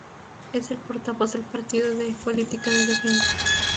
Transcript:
Es el portavoz del partido de política de defensa.